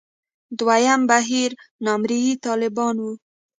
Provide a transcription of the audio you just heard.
دویم بهیر نامرئي طالبان دي.